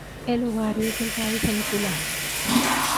El ovario es delgado y geniculado.